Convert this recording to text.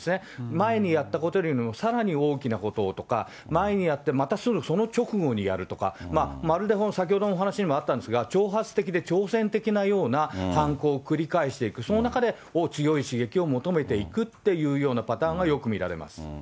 前にやったことよりもさらに大きなことをとか、前にやって、またすぐ、その直後にやるとか、まるで先ほどのお話にもあったんですが、挑発的で挑戦的な犯行を繰り返していく、その中で、強い刺激を求めていくというようなパターンがよく見られます。